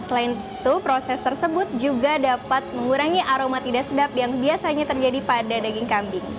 selain itu proses tersebut juga dapat mengurangi aroma tidak sedap yang biasanya terjadi pada daging kambing